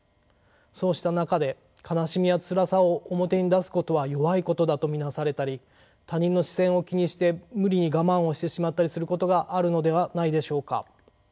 そうした中で悲しみやつらさを表に出すことは弱いことだと見なされたり他人の視線を気にして無理に我慢をしてしまったりすることがあるのではないでしょうか。